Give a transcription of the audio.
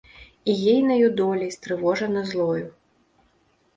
І ейнаю доляй стрывожаны злою.